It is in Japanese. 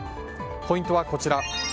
ポイントはこちら。